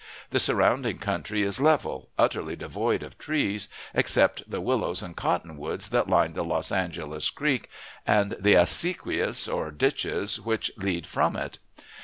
The surrounding country is level, utterly devoid of trees, except the willows and cotton woods that line the Los Angeles Creek and the acequias, or ditches, which lead from it.